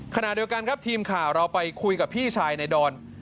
ขณะเดียวกันครับทีมข่าวเราไปคุยกับพี่ชายในดอน